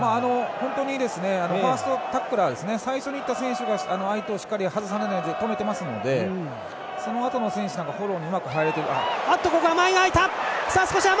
本当にファーストタックラーは最初にいった選手が相手をしっかり止めていますのでそのあとの選手がフォローもうまく入れて。